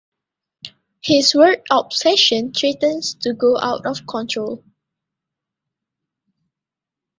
His weird obsession threatens to go out of control.